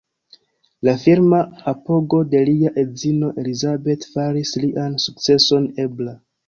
La firma apogo de lia edzino Elizabeth faris lian sukceson ebla.